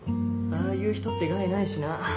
ああいう人って害ないしな。